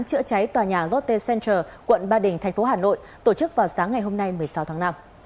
chữa cháy tòa nhà rott center quận ba đình tp hà nội tổ chức vào sáng ngày hôm nay một mươi sáu tháng năm